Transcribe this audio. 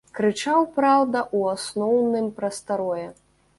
Крычаў, праўда, у асноўным пра старое.